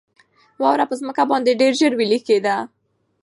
واوره په مځکه باندې ډېره ژر ویلي کېده.